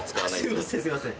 すいません